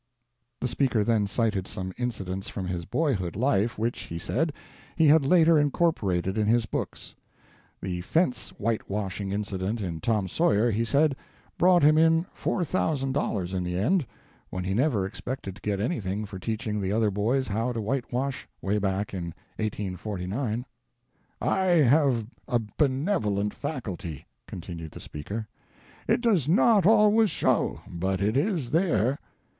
The speaker then cited some incidents from his boyhood life which, he said, he had later incorporated in his books. The fence whitewashing incident in "Tom Sawyer," he said, brought him in S4,000 in the end, when he never expected to get anything for teaching the other boys how to whitewash way back in 1849. "I have a benevolent faculty," continued the speaker. "It does not always show, but it is there.